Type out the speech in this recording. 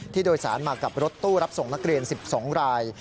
โดยสารมากับรถตู้รับส่งนักเรียน๑๒ราย